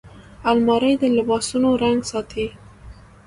الماري د لباسونو رنګ ساتي